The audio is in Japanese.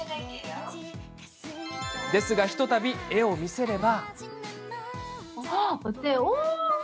ですが、ひとたび絵を見せれば。